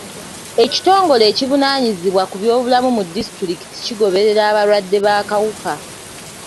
Ekitongole ekivunaanyizibwa ku by'obulamu mu disitulikiti kigoberera abalwadde b'akawuka.